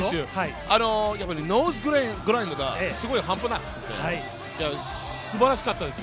ノーズグラインドがすごい半端なくて、素晴らしかったです。